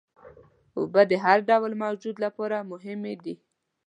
اوبه د هر ډول موجود لپاره مهمې دي.